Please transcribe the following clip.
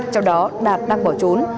trong đó đạt đang bỏ trốn